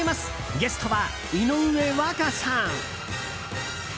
ゲストは井上和香さん。